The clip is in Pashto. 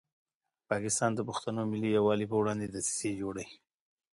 پاکستان د پښتنو ملي یووالي په وړاندې دسیسې جوړوي.